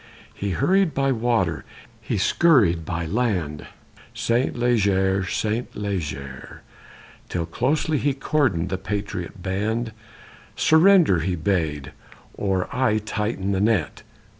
He hurried by water, he scurried by land, Saint Leger, Saint Leger, Till closely he cordoned the patriot band: Surrender, he bade, _or I tighten the net!